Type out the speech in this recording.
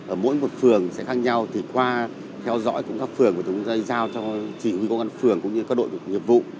ở mỗi một phường sẽ khác nhau thì qua theo dõi cũng các phường chúng ta giao cho chỉ huy công an phường cũng như các đội nhiệm vụ